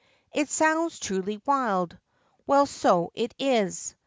It sounds truly wild. Well, so it is.